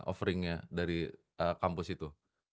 offering nya dari kampus itu